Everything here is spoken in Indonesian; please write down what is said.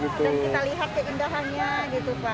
dan kita lihat keindahannya